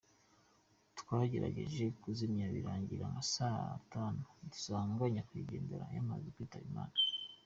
Twagerageje kuzimya birangira nka saa tanu dusanga nyakwigendera yamaze kwitaba Imana.